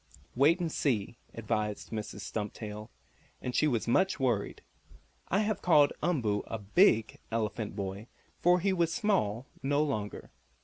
"Wait and see," advised Mrs. Stumptail, and she was much worried. I have called Umboo a "big" elephant boy, for he was small no longer.